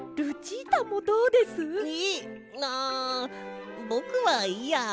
あぼくはいいや。